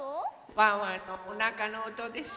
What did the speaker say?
ワンワンのおなかのおとです。